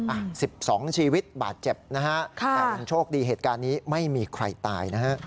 อ่ะ๑๒ชีวิตบาดเจ็บนะฮะแต่ยังโชคดีเหตุการณ์นี้ไม่มีใครตายนะฮะ